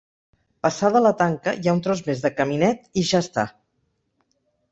Passada la tanca hi ha un tros més de caminet i ja està.